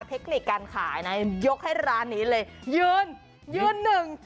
เทคนิคการขายนะยกให้ร้านนี้เลยยืนยืนหนึ่ง